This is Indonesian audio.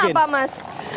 ini bedanya apa mas